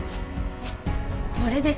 これ。